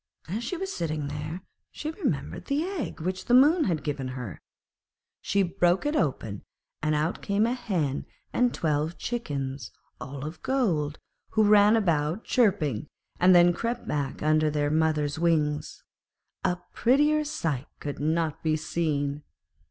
As she was sitting there, she remembered the egg which the Moon had given her; she broke it open, and out came a hen and twelve chickens, all of gold, who ran about chirping, and then crept back under their mother's wings. A prettier sight could not be seen.